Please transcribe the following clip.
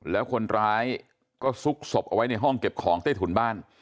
แล้วคนร้ายก็ซุกศพเอาไว้ในห้องเก็บของใต้ถุนบ้าน